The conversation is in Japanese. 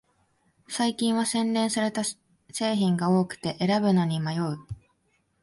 最近は洗練された製品が多くて選ぶのに迷う